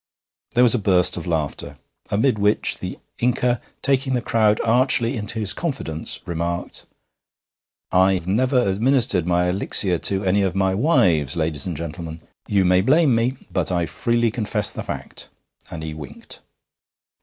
There was a burst of laughter, amid which the Inca, taking the crowd archly into his confidence, remarked: 'I've never administered my elixir to any of my wives, ladies and gentlemen. You may blame me, but I freely confess the fact;' and he winked.